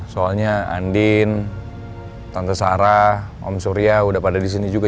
soalnya andin tante sarah om surya udah pada di sini juga